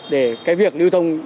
để cái việc lưu thông